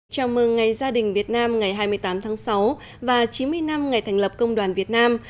chào mừng ngày gia đình việt nam ngày hai mươi tám tháng sáu và chín mươi năm ngày thành lập công đoàn việt nam